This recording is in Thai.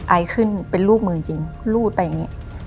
ไอขึ้นเป็นลูกมือจริงรูดไปอย่างนี้